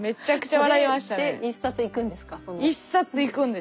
これで１冊いくんですか？